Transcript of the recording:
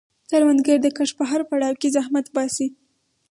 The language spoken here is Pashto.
کروندګر د کښت په هر پړاو کې زحمت باسي